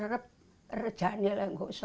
saya kena cathedral